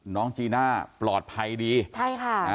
จีน่าปลอดภัยดีใช่ค่ะ